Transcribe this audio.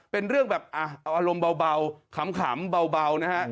เป็นเรื่องแบบเอาอารมณ์เบาขำเบานะฮะ